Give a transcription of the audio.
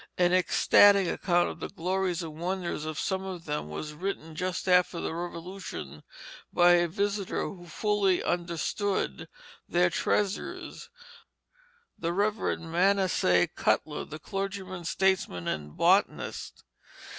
An ecstatic account of the glories and wonders of some of them was written just after the Revolution by a visitor who fully understood their treasures, the Rev. Manasseh Cutler, the clergyman, statesman, and botanist.